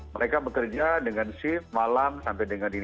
mereka bekerja dengan si malam sampai dengan dini hari